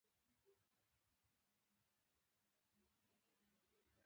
ويې ټوخل.